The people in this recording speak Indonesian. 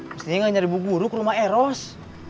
mesti gak nyari buku buruk rumah eros